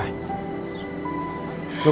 lan sebaiknya menurut gue ya